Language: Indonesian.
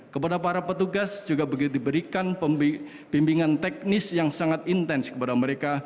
kepada para petugas juga diberikan pembimbingan teknis yang sangat intens kepada mereka